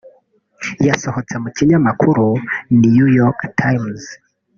yasohotse mu kinyamakuru New York Times